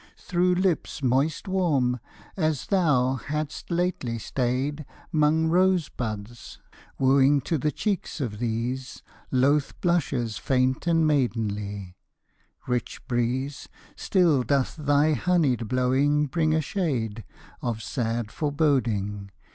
Through lips moist warm, as thou hadst lately stayed 'Mong rosebuds, wooing to the cheeks of these Loth blushes faint and maidenly rich Breeze, Still doth thy honeyed blowing bring a shade Of sad foreboding.